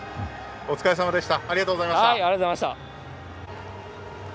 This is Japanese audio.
お疲れさまでした。